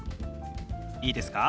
いいですか？